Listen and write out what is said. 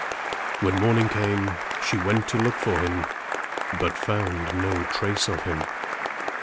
When morning came, she went to look for him, but found no trace of him.